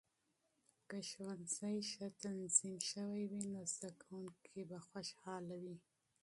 که ښوونځي ښه تنظیم شوي وي، نو زده کونکې به خوشاله وي.